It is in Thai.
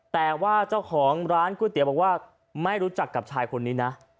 แต่ว่าเจ้าของร้านก๋วยเตี๋ยวบอกว่าไม่รู้จักกับชายคนนี้นะ